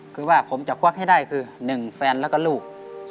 คือว่าผมจะควักให้ได้คือ๑แฟนแล้วก็ลูก